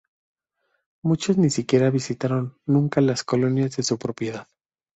Muchos ni siquiera visitaron nunca las colonias de su propiedad.